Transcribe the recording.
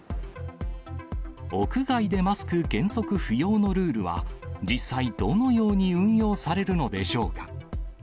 屋外でマスク原則不要のルールは、実際、どのように運用されるのでしょうか。